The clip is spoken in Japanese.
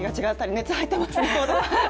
熱が入っていますね。